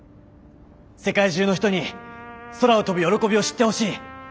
世界中の人に空を飛ぶ喜びを知ってほしい。